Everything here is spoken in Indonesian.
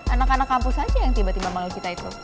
anak anak kampus saja yang tiba tiba malu kita itu